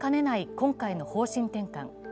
今回の方針転換。